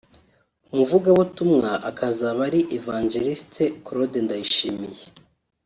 umuvugabutumwa akazaba ari Evangeliste Claude Ndayishimiye